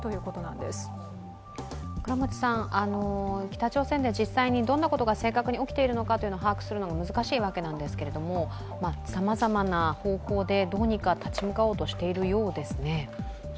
北朝鮮で実際にどんなことが起きているか正確に把握するのは難しいんですがさまざまな方法でどうにか立ち向かおうとしているようですね。